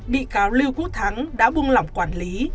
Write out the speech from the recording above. bị cáo lưu quốc thắng đã buông lỏng quản lý